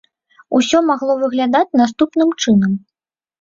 Усё магло выглядаць наступным чынам.